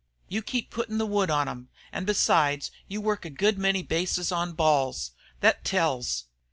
You keep puttin' the wood on 'em, an' besides you work a good many bases on balls. Thet tells.